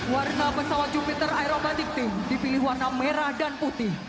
warna pesawat jupiter aerobantic team dipilih warna merah dan putih